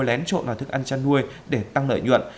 lén trộn vào thức ăn chăn nuôi để tăng lợi nhuận